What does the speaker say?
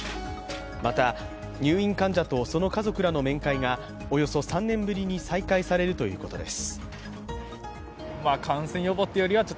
また入院患者とその家族らの面会がおよそ３年ぶりに再開されるということです。